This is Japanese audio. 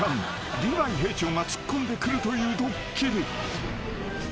リヴァイ兵長が突っ込んでくるというドッキリ］